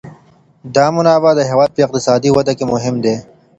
دا منابع د هېواد په اقتصادي وده کي مهم دي.